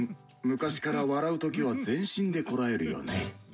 昔から笑う時は全身でこらえるよね。